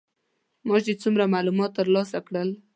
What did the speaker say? ما چې څومره معلومات تر لاسه کړل.